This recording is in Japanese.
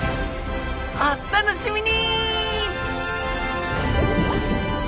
お楽しみに！